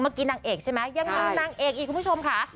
เมื่อกี้นางเอกใช่ไหมยังมีนางเอกอีกคุณผู้ชมค่ะ